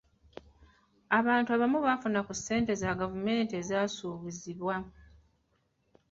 Abantu abamu baafuna ku ssente za gavumenti ezaasuubizibwa.